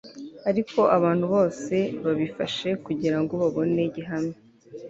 Ariko abantu bose babifashe kugirango babone gihamya